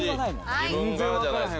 自分がじゃないです